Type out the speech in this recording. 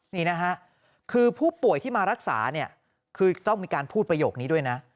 นี่นะฮะคือผู้ป่วยที่มารักษาเนี่ยคือต้องมีการพูดประโยคนี้ด้วยนะ